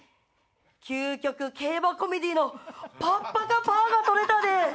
『究極競馬コメディパッパカパー』が採れたで。